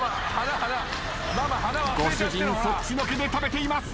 ご主人そっちのけで食べています。